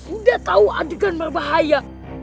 udah tau adegan berbahaya